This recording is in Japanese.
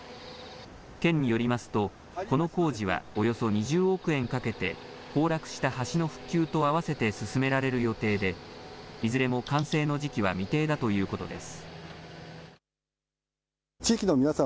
県によりますと、この工事はおよそ２０億円かけて崩落した橋の復旧とあわせて進められる予定でいずれも完成の時期は未定だということです。